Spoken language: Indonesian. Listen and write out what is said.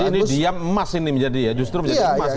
jadi ini diam emas ini menjadi ya justru menjadi emas ya